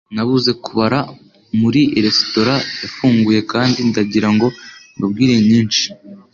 Nabuze kubara muri resitora yafunguye kandi ndagira ngo mbabwire inyinshi